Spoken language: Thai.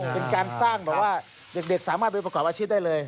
เป็นการสร้างแบบว่าเด็กสามารถไปประกอบอาชีพได้เลย